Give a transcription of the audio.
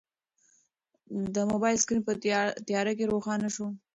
د موبایل سکرین په تیاره کې روښانه شو.